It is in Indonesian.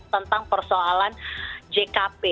tentang persoalan jkp